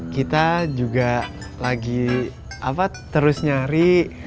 kita juga lagi terus nyari